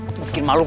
itu bikin malu gue